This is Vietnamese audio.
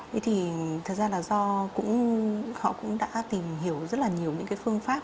thế thì thật ra là do họ cũng đã tìm hiểu rất là nhiều những cái phương pháp